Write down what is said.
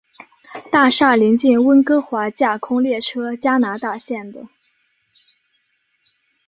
大厦邻近温哥华架空列车加拿大线的。